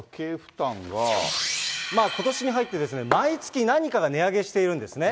ことしに入って、毎月何かが値上げしているんですね。